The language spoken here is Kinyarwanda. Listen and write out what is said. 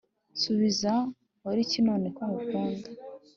nsubiza nkoriki none ko nkukunda